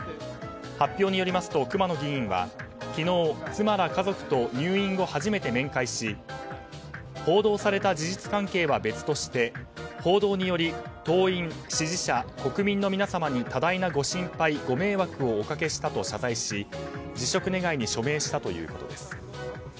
発表によりますと熊野議員は昨日、妻ら家族と入院後、初めて面会し報道された事実関係は別として報道により党員・支持者、国民の皆様に多大なご心配、ご迷惑をおかけしたと謝罪し辞職願に署名したということです。